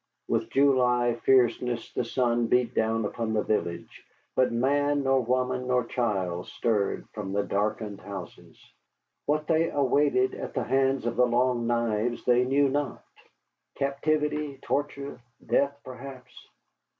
With July fierceness the sun beat down upon the village, but man nor woman nor child stirred from the darkened houses. What they awaited at the hands of the Long Knives they knew not, captivity, torture, death perhaps.